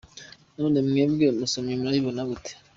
None mwebwe basomyi murabibona gute ?